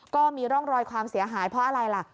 ก็มีร่องรอยความเสียหายเพราะอะไรล่ะ